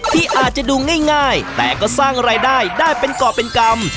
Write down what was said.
ที่อาจจะดูง่ายแต่ก็สร้างรายได้ได้เป็นก่อเป็นกรรม